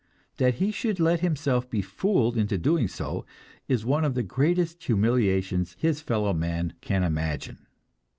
That he should let himself be fooled into doing so is one of the greatest humiliations his fellowmen can imagine.